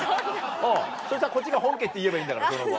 そしたらこっちが本家って言えばいいんだからその後。